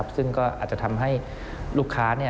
ซึ่งก็อาจจะทำให้ลูกค้า